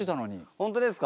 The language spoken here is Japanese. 本当ですか？